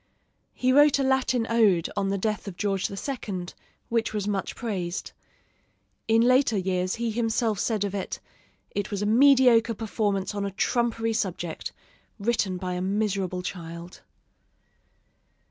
He wrote a Latin ode on the death of George II., which was much praised. In later years he himself said of it, "It was a mediocre performance on a trumpery subject, written by a miserable child."